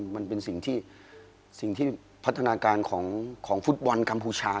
มันเป็นสิ่งที่สิ่งที่พัฒนาการของฟุตบอลกัมพูชา